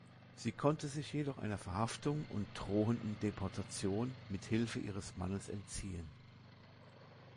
Sie konnte sich jedoch einer Verhaftung und drohenden Deportation mit Hilfe ihres Mannes entziehen.